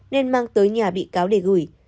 nên mang tới nhà bị cáo để gửi